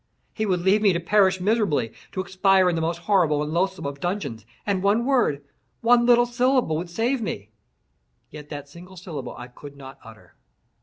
He would leave me to perish miserably, to expire in the most horrible and loathesome of dungeons—and one word, one little syllable, would save me—yet that single syllable I could not utter!